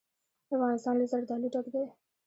افغانستان له زردالو ډک دی.